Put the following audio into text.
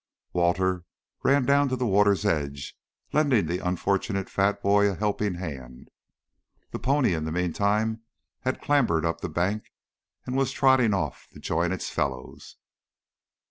Walter ran down to the water's edge, lending the unfortunate fat boy a helping hand. The pony in the meantime had clambered up the bank and was trotting off to join its fellows.